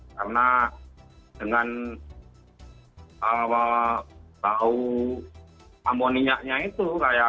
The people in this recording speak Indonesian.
karena dengan bau amoninya itu